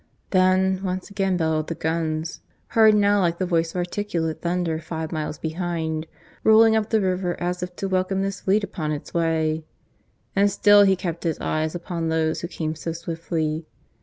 ... Then once again bellowed the guns, heard now like the voice of articulate thunder five miles behind, rolling up the river as if to welcome this fleet upon its way; and still he kept his eyes upon those who came so swiftly.